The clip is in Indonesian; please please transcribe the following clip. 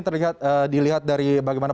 terlihat dilihat dari bagaimana